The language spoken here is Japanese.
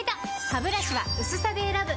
ハブラシは薄さで選ぶ！